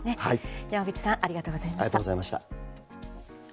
山口さんありがとうございました。